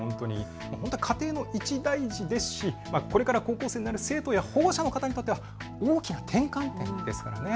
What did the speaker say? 家庭の一大事ですしこれから高校生になる生徒や保護者の方にとっては大きな転換点ですからね。